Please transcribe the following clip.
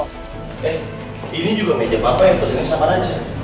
eh ini juga meja papa yang pesennya sama raja